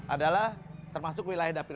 adalah termasuk wilayah dapil